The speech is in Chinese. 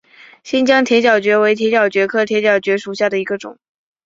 新疆铁角蕨为铁角蕨科铁角蕨属下的一个种。